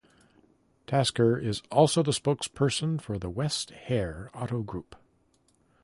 Tasker is also the spokesperson for the West Herr Auto Group.